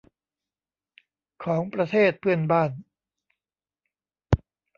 ของประเทศเพื่อนบ้าน